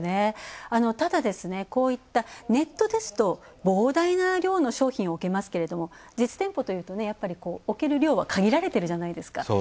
ただ、こういったネットですと膨大な量の商品を置けますけど、実店舗というと置ける量は限られているじゃないですか。